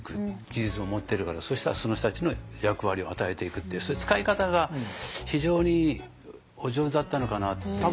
技術も持ってるからそしたらその人たちの役割を与えていくってその使い方が非常にお上手だったのかなっていう。